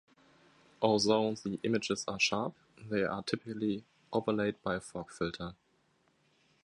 Although the images are sharp, they are typically overlaid by a fog filter.